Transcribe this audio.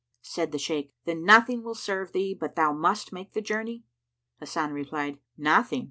Said the Shaykh, "Then nothing will serve thee but thou must make the journey?" Hasan replied "Nothing!